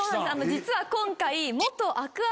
実は今回。